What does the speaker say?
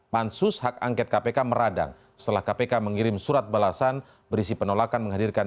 pansus hak angket kpk meradang setelah kpk mengirim surat balasan berisi penolakan menghadirkan